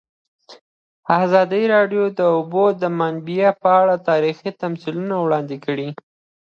ازادي راډیو د د اوبو منابع په اړه تاریخي تمثیلونه وړاندې کړي.